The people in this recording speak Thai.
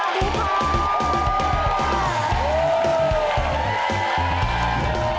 สวัสดีครับ